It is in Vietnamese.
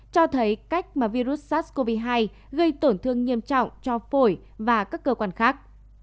cho thấy cách mà virus sars cov hai gây tổn thương nghiêm trọng cho phổi và các cơ quan khác